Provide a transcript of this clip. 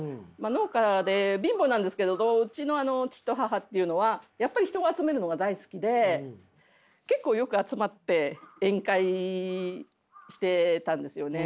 農家で貧乏なんですけどうちの父と母っていうのはやっぱり人を集めるのが大好きで結構よく集まって宴会してたんですよね。